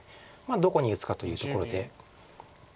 どこに打つかというところで。